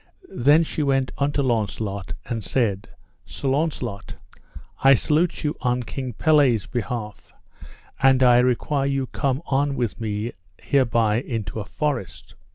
Then she went unto Launcelot and said: Sir Launcelot, I salute you on King Pelles' behalf, and I require you come on with me hereby into a forest.